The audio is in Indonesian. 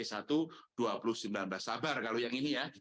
sabar kalau yang ini ya